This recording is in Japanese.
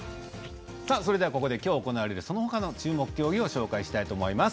それではここできょう行われるそのほかの注目競技を紹介したいと思います。